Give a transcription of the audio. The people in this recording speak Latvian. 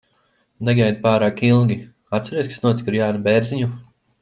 Negaidi pārāk ilgi. Atceries, kas notika ar Jāni Bērziņu?